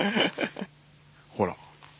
ほら。